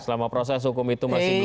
selama proses hukum itu masih belum